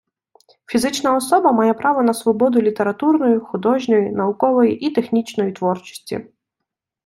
Фізична особа має право на свободу літературної, художньої, наукової і технічної творчості.